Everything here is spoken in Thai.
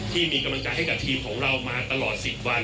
ที่มีกำลังใจให้กับทีมของเรามาตลอด๑๐วัน